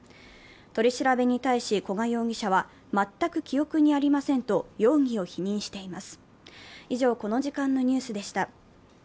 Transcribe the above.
取り調べに対し古賀容疑者は、全く記憶にありませんと容疑を否認しています。